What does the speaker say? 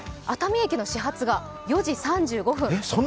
熱海駅の始発が４時３５分。